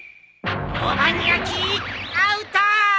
大判焼きアウト！